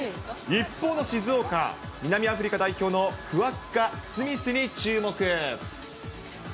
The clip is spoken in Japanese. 一方の静岡、南アフリカ代表のクワッガ・スミスに注目。